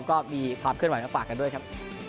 ก็มีความเคลื่อนมาฝากกันด้วยครับ